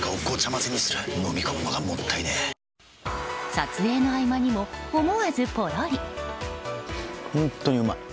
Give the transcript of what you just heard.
撮影の合間にも思わずポロリ。